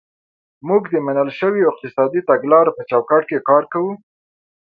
موږ د منل شویو اقتصادي تګلارو په چوکاټ کې کار کوو.